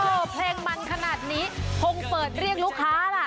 เพลงมันขนาดนี้คงเปิดเรียกลูกค้าล่ะ